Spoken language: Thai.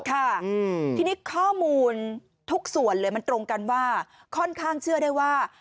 ค่ะทีนี้ข้อมูลทุกส่วนเลยมันตรงกันว่าค่อนข้างเชื่อได้ว่า